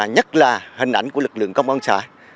nhất là hình ảnh của lực lượng công an xã